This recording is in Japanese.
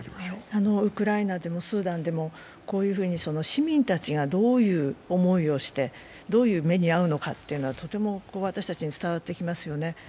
ウクライナでもスーダンでも、こういうふうに市民たちがどういう思いをしてどういう目に遭うのかというのはとても私たちに伝わってきますよね。